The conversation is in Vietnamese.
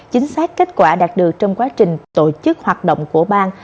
chính xác kết quả đạt được trong quá trình tổ chức hoạt động của bang